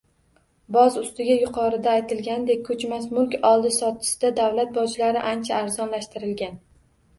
Boz ustiga yuqorida aytilganidek, koʻchmas mulk oldi-sotdisida davlat bojlari ancha arzonlashtirilgan.